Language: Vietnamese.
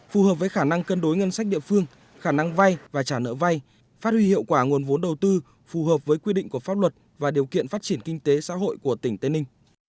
phù hợp với khả năng cân đối ngân sách địa phương khả năng vay và trả nợ vay phát huy hiệu quả nguồn vốn đầu tư phù hợp với quy định của pháp luật và điều kiện phát triển kinh tế xã hội của tỉnh tây ninh